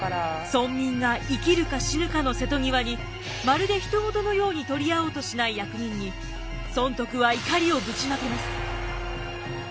村民が生きるか死ぬかの瀬戸際にまるで他人事のように取り合おうとしない役人に尊徳は怒りをぶちまけます。